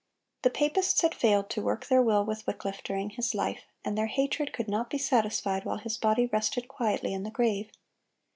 The papists had failed to work their will with Wycliffe during his life, and their hatred could not be satisfied while his body rested quietly in the grave.